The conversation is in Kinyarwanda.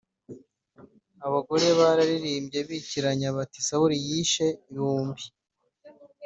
abagore bararirimbye bikiranya bati Sawuli yishe ibihumbi